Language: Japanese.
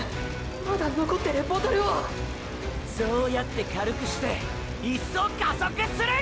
まだ残ってるボトルをそうやって軽くして一層加速する！！